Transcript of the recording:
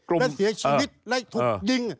และเสียชีวิตและถูกยิง